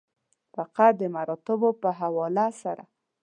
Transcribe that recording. فقط د مراتبو په حواله سره.